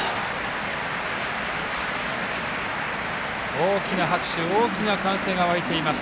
大きな拍手大きな歓声が沸いています。